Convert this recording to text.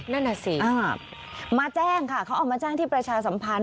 นั่นน่ะสิมาแจ้งค่ะเขาเอามาแจ้งที่ประชาสัมพันธ